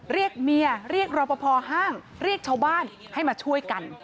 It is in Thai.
เรียกเมียเรียกรอปภห้างเรียกชาวบ้านให้มาช่วยกัน